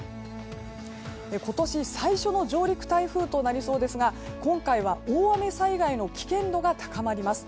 今年最初の上陸台風となりそうですが今回は大雨災害の危険度が高まります。